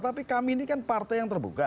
tapi kami ini kan partai yang terbuka